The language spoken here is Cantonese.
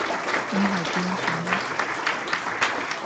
唔係變上？